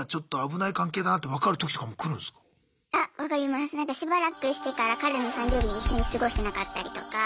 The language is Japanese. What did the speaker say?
なんかしばらくしてから彼の誕生日に一緒に過ごしてなかったりとか。